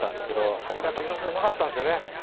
そこでやっぱり井上さんうまかったんですよね。